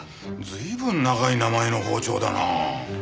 随分長い名前の包丁だな。